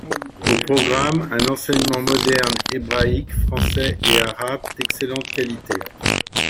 Au programme, un enseignement moderne, hébraïque, français et arabe d’excellente qualité.